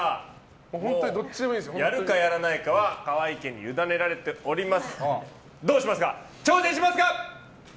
やるかやらないかは河合家にゆだねられております。